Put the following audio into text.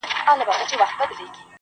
گراني په دې ياغي سيتار راته خبري کوه,